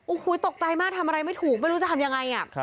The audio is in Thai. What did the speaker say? โอ้โหตกใจมากทำอะไรไม่ถูกไม่รู้จะทำยังไง